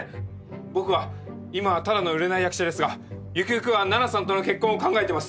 僕は今はただの売れない役者ですがゆくゆくは菜々さんとの結婚を考えています。